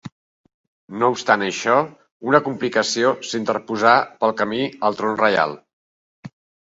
No obstant això, una complicació s'interposà pel camí al tron reial.